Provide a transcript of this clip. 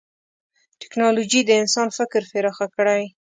ټکنالوجي د انسان فکر پراخ کړی دی.